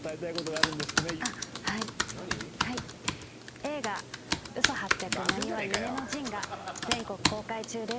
映画『嘘八百なにわ夢の陣』が全国公開中です。